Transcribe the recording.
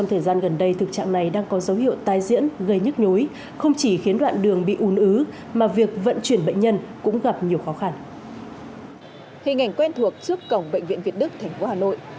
hình ảnh quen thuộc trước cổng bệnh viện việt đức thành phố hà nội